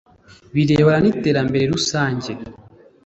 birebana n iterambere rusange